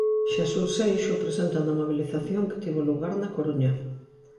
Xesús Seixo, presenta na mobilización que tivo lugar na Coruña.